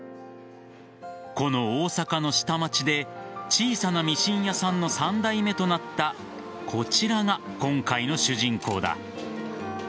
この大阪の下町で小さなミシン屋さんの３代目となったこちらが今回の主人公だ。